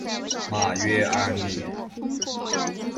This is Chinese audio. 马约里安。